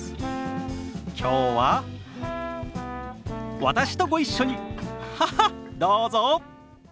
きょうは私とご一緒にハハッどうぞ！